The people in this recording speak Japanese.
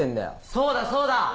そうだそうだ！